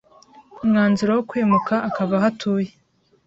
Umwanzuro wo kwimuka akava aho atuye